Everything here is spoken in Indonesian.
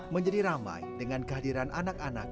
menjadi ramai dengan kehadiran anak anak